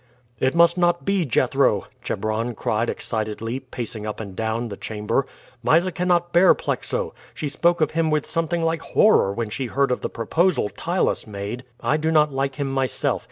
"It must not be, Jethro!" Chebron cried excitedly, pacing up and down the chamber. "Mysa cannot bear Plexo. She spoke of him with something like horror when she heard of the proposal Ptylus made. I do not like him myself.